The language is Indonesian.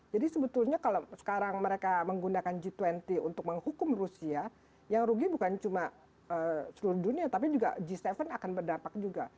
jadi sebetulnya kalau sekarang mereka menggunakan g dua puluh untuk menghukum rusia yang rugi bukan cuma seluruh dunia tapi g tujuh akan berdampak juga